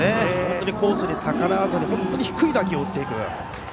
本当にコースに逆らわずに低い打球を打っていく。